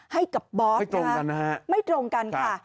ให้กับบอสนะคะไม่ตรงกันค่ะ